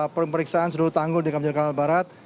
perperiksaan seluruh tanggul di banjir kanal barat